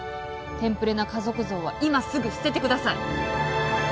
テンプレな家族像は今すぐ捨ててください。